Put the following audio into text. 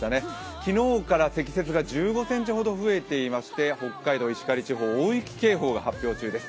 昨日から積雪が１５ｃｍほど増えていて北海道石狩地方、大雪警報が発表されています。